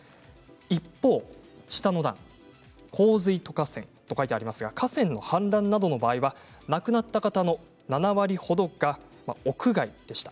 一方、下の段洪水と河川と書いてありますが河川の氾濫などの場合は亡くなった方の７割が屋外でした。